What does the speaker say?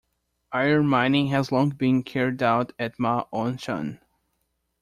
Iron mining has long been carried out at Ma On Shan.